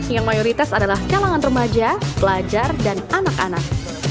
yang mayoritas adalah kalangan remaja pelajar dan anak anak